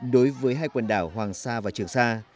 đối với hai quần đảo hoàng sa và trường sa